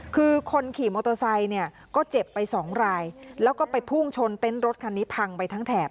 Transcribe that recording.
คือคนขี่มอเตอร์ไซค์เนี่ยก็เจ็บไปสองรายแล้วก็ไปพุ่งชนเต็นต์รถคันนี้พังไปทั้งแถบ